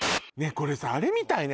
これさあれみたいね